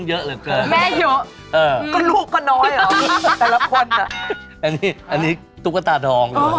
เดือนเหนื่อยจัง